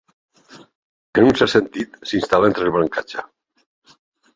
En un cert sentit, s'instal·la entre el brancatge.